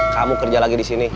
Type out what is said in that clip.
kamu kerja lagi disini